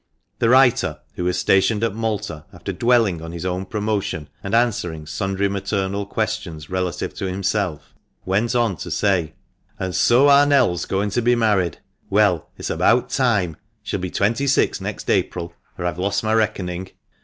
The writer, who was stationed at Malta, after dwelling on his own promotion, and answering sundry maternal questions relative to himself, went on to say —" And so our Nell's going to be married. Well, it's about time — she'll be twenty six next April, or I've lost my reckoning.